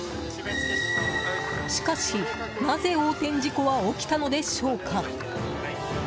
しかし、なぜ横転事故は起きたのでしょうか？